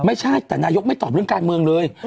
ไม่ใช่แต่นายกไม่ตอบเรื่องการเมืองเลย